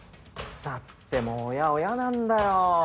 腐っても親は親なんだよ。